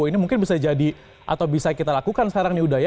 ini mungkin bisa jadi atau bisa kita lakukan sekarang nih uda ya